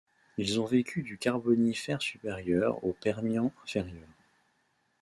Ils ont vécu du Carbonifère supérieur au Permien inférieur.